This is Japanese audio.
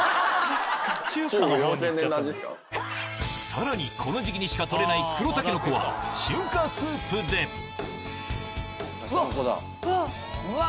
さらにこの時期にしか採れない黒タケノコは中華スープでうわ！